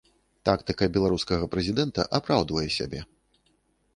Тактыка беларускага прэзідэнта апраўдвае сябе.